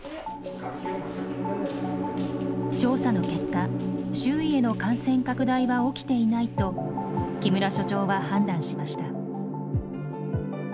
調査の結果周囲への感染拡大は起きていないと木村所長は判断しました。